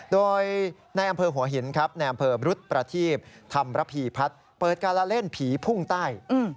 โดยในอำเภอหัวหินครับในอำเภอบรุษประทีปธรรมระพีพัฒน์เปิดการละเล่นผีพุ่งใต้